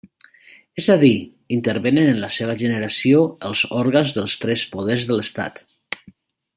És a dir, intervenen en la seva generació els òrgans dels tres poders de l'Estat.